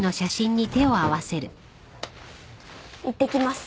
いってきます。